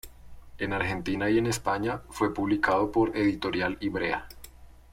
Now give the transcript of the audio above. En Argentina y en España, fue publicado por Editorial Ivrea.